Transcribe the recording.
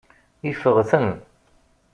Ifeɣ-ten.